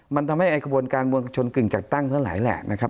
มันทำให้ไอ้กระบวนการมวลชนกึ่งจัดตั้งทั้งหลายแหละนะครับ